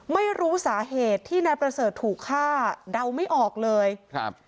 ไม่รู้สาเหตุที่นายประเสริฐถูกฆ่าเดาไม่ออกเลยครับ